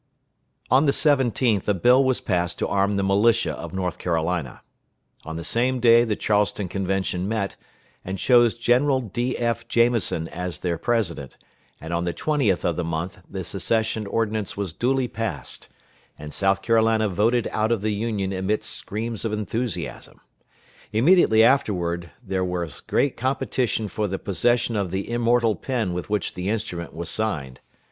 On the 17th a bill was passed to arm the militia of North Carolina. On the same day the Charleston Convention met, and chose General D.F. Jamison as their president, and on the 20th of the month the secession ordinance was duly passed, and South Carolina voted out of the Union amidst screams of enthusiasm. Immediately afterward there was great competition for the possession of the immortal pen with which the instrument was signed.